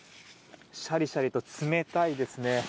シャリシャリと冷たいですね。